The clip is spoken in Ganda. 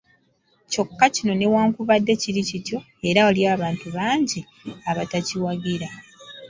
Kyokka kino newankubadde kiri kityo, era waliwo abantu bangi abatakiwagira.